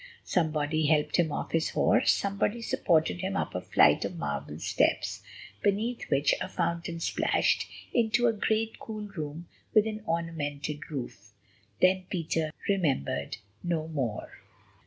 Somebody helped him off his horse, somebody supported him up a flight of marble steps, beneath which a fountain splashed, into a great, cool room with an ornamented roof. Then Peter remembered no more.